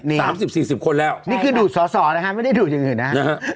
สามสิบสี่สิบคนแล้วนี่คือดูดสอสอนะฮะไม่ได้ดูดอย่างอื่นนะฮะ